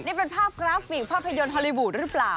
นี่เป็นภาพกราฟิกภาพยนตร์ฮอลลี่วูดหรือเปล่า